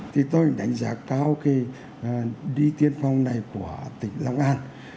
thì tôi đánh giá cao cái đi tiên phong này của tỉnh long an